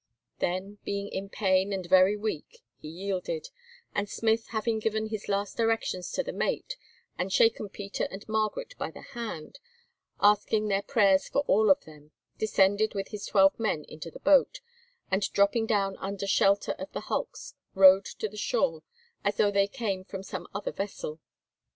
Then, being in pain and very weak, he yielded, and Smith, having given his last directions to the mate, and shaken Peter and Margaret by the hand, asking their prayers for all of them, descended with his twelve men into the boat, and dropping down under shelter of the hulks, rowed to the shore as though they came from some other vessel.